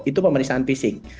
itu pemeriksaan fisik